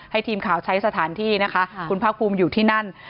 ทีมข่าวใช้สถานที่นะคะคุณภาคภูมิอยู่ที่นั่น